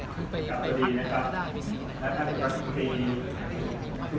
เขาเนี่ยคือไปทักแหน่งไม่ได้ไม่ได้อย่างสิทธิ์มนุษย์